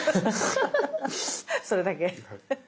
それだけ。